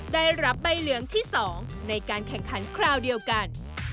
ได้รับใบเหลืองที่๒ในการแข่งขันคราวเดียวกัน